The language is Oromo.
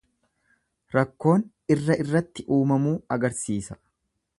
Rakkoon irra irratti uumamuu agarsiisa.